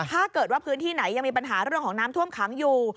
ถ้าเกิดว่าพื้นที่ไหนยังมีปัญหาเรื่องของน้ำท่วมขังอยู่